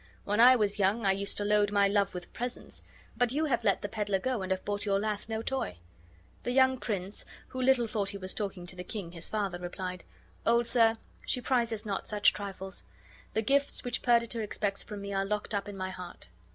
When I was young I used to load my love with presents; but you have let the peddler go and have bought your lass no toy." The young prince, who little thought he was talking to the king his father, replied, "Old sir, she prizes not such trifles; the gifts which Perdita expects from me are locked up in my heart."